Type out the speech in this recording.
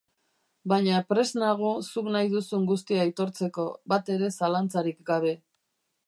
Baina prest nago zuk nahi duzun guztia aitortzeko, batere zalantzarik gabe.